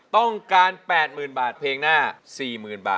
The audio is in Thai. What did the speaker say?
ต้องการ๘๐๐๐๐บาทเพลงหน้า๔๐๐๐๐บาท